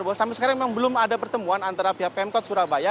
bahwa sampai sekarang memang belum ada pertemuan antara pihak pemkot surabaya